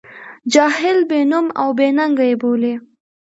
جاهل، بې نوم او بې ننګه یې بولي.